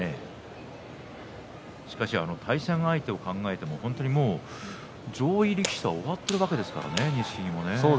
しかし対戦相手を考えてももう上位力士とは終わっているわけですからね錦木は。